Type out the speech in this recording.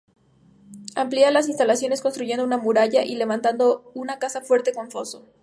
Amplia las instalaciones, construyendo una muralla, y levantando una casa-fuerte con foso.